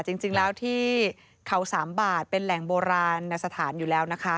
จริงแล้วที่เขาสามบาทเป็นแหล่งโบราณสถานอยู่แล้วนะคะ